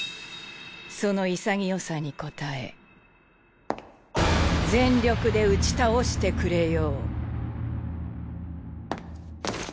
その潔さに応え全力で打ち倒してくれよう。